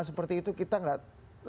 seperti itu kita enggak